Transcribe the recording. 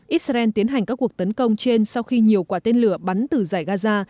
israel tiến hành các cuộc tấn công trên sau khi nhiều quả tên lửa bắn từ giải gaza